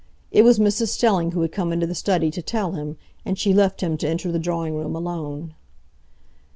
It was Mrs Stelling who had come into the study to tell him, and she left him to enter the drawing room alone.